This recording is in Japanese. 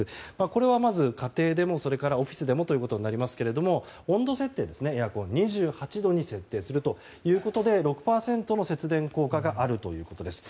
これはまず、家庭でもオフィスでもとなりますが温度設定、エアコンを２８度に設定することで６％の節電効果があるということです。